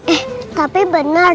eh tapi brandon